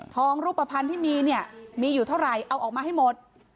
รูปภัณฑ์ที่มีเนี่ยมีอยู่เท่าไหร่เอาออกมาให้หมด